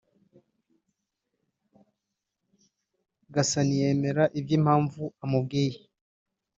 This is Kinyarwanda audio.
Gasani yemera ibyo Impamvu amubwiye